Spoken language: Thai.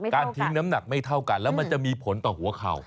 ทิ้งน้ำหนักไม่เท่ากันแล้วมันจะมีผลต่อหัวเข่า